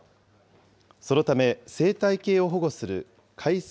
そのため生態系を保護する改正